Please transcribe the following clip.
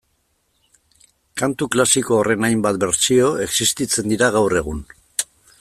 Kantu klasiko horren hainbat bertsio existitzen dira gaur egun